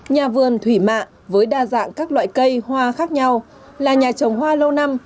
nhà vườn thủy mạ với đa dạng các loại cây hoa khác nhau là nhà trồng hoa lâu năm